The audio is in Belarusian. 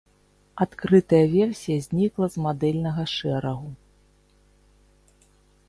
Адкрытая версія знікла з мадэльнага шэрагу.